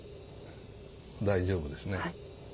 大丈夫ですね。